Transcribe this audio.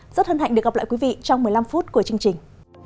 rất hân hạnh được gặp lại quý vị trong một mươi năm phút của chương trình